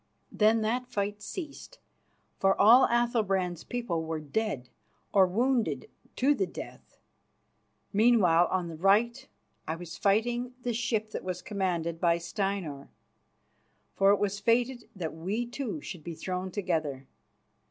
Then that fight ceased, for all Athalbrand's people were dead or wounded to the death. Meanwhile, on the right, I was fighting the ship that was commanded by Steinar, for it was fated that we two should be thrown together.